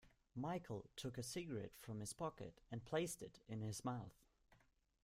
Michael took a cigarette from his pocket and placed it in his mouth.